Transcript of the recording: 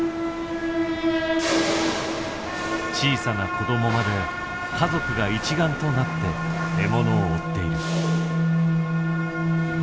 小さな子供まで家族が一丸となって獲物を追っている。